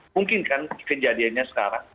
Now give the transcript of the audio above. mungkin kan kejadiannya sekarang